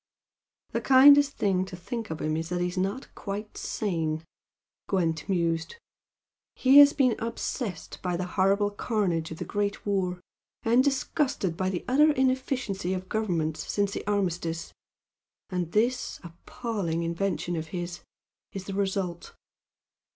"The kindest thing to think of him is that he's not quite sane," Gwent mused "He has been obsessed by the horrible carnage of the Great War, and disgusted by the utter inefficiency of Governments since the armistice, and this appalling invention of his is the result."